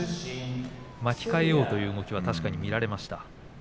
巻き替えようという動きは確かに見られました。